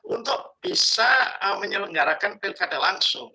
untuk bisa menyelenggarakan pilkada langsung